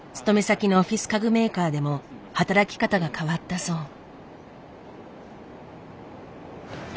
勤め先のオフィス家具メーカーでも働き方が変わったそう。